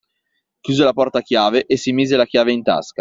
Chiuse la porta a chiave e si mise la chiave in tasca.